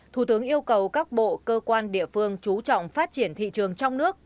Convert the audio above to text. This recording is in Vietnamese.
thủ tướng yêu cầu các bộ cơ quan địa phương chú trọng phát triển thị trường trong nước